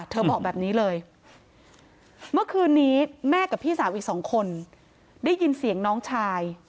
บอกแบบนี้เลยเมื่อคืนนี้แม่กับพี่สาวอีกสองคนได้ยินเสียงน้องชาย